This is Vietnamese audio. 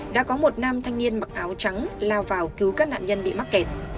đã có một nam thanh niên mặc áo trắng lao vào cứu các nạn nhân bị mắc kẹt